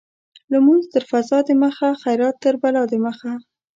لمونځ تر قضا د مخه ، خيرات تر بلا د مخه.